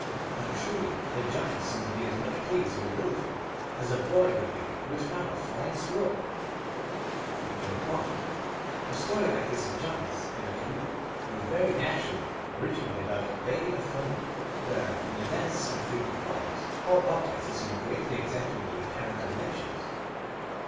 And truly the giants seemed to be as much pleased wjth the little folk as a boy would be who had found a flying squirrel. 1 1 A story like this of giants in a canoe would very naturally originate about the Bay of Fundy, where, in the dense and fre quent fogs, all objects assume greatly exaggerated apparent di mensions.